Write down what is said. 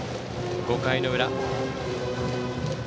５回の裏。